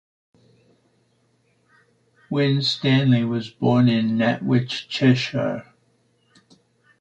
Winstanley was born in Nantwich, Cheshire.